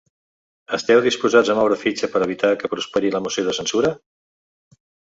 Esteu disposats a moure fitxa per evitar que prosperi la moció de censura?